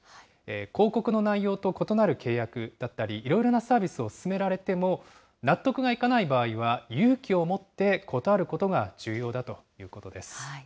広告の内容と異なる契約だったり、いろいろなサービスを薦められても、納得がいかない場合は、勇気を持って断ることが重要だということです。